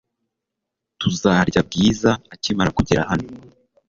Tuzarya Bwiza akimara kugera hano .